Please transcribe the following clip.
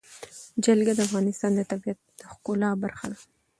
جلګه د افغانستان د طبیعت د ښکلا برخه ده.